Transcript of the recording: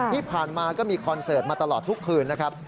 ที่ผ่านมาก็มีคอนเสิร์ตมาตลอดทุกคืนนะครับ